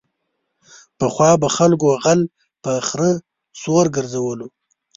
پخوا به خلکو غل په خره سور گرځولو.